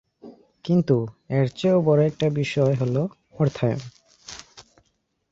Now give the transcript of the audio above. কিন্তু, এর চেয়েও বড়ো একটা বিষয় হল অর্থায়ন।